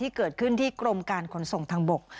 ที่เกิดขึ้นที่กรมการขนส่งทางบก